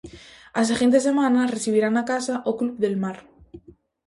A seguinte semana recibiran na casa o Club del Mar.